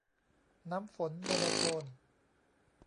น้ำฝน โมโนโทน